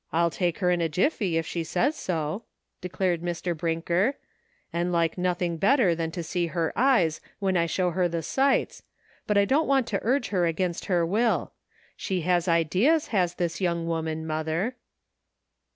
" I'll take her in a jiffy if she says so," de clared Mr. Brinker, "and like nothing better than to see her eyes when I show her the sights, but I don't want to urge her against her will ; she has ideas, has this young woman, mother."